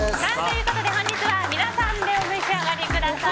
本日は皆さんでお召し上がりください。